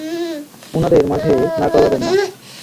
উনাদের মাঝে নাক গলাবেন না!